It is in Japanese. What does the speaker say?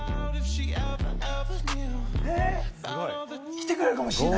来てくれるかもしれない。